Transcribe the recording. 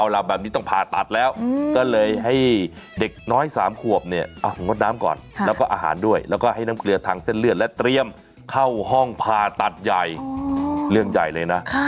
แล้วก็ให้น้ำเกลียดทางเส้นเลือดและเตรียมเข้าห้องผ่าตัดใหญ่เรื่องใหญ่เลยนะ